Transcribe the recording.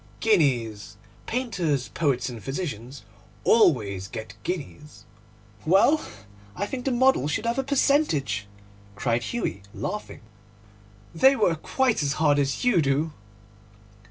'Guineas. Painters, poets, and physicians always get guineas.' 'Well, I think the model should have a percentage,' cried Hughie, laughing; 'they work quite as hard as you do.